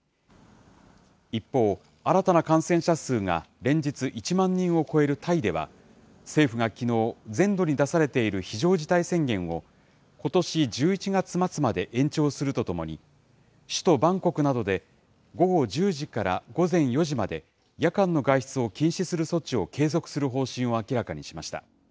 一方、新たな感染者数が連日１万人を超えるタイでは、政府がきのう、全土に出されている非常事態宣言を、ことし１１月末まで延長するとともに、首都バンコクなどで午後１０時から午前４時まで夜間の外出を禁止する措置を継続する方針を明らかにしました。